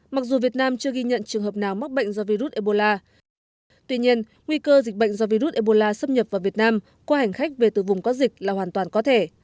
mặc dù việt nam chưa ghi nhận trường hợp nào mắc bệnh do virus ebola tuy nhiên nguy cơ dịch bệnh do virus ebola xâm nhập vào việt nam qua hành khách về từ vùng quá dịch là hoàn toàn có thể